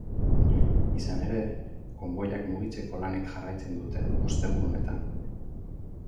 Izan ere, konboiak mugitzeko lanek jarraitzen dute ostegun honetan.